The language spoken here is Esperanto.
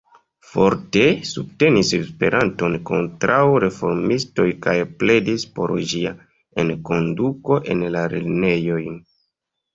Forte subtenis Esperanton kontraŭ reformistoj kaj pledis por ĝia enkonduko en la lernejojn.